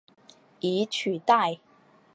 以取代。